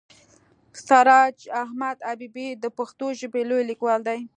سراج احمد حبیبي د پښتو ژبې لوی لیکوال دی.